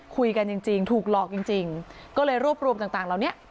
คุยกันจริงถูกหลอกจริงจริงก็เลยรวบรวมต่างเหล่านี้